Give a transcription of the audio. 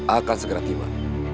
akan segera tiba